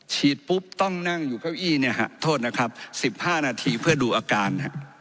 ฉีดปุ๊บต้องนั่งอยู่เก้าอี้เนี่ยฮะโทษนะครับ๑๕นาทีเพื่อดูอาการ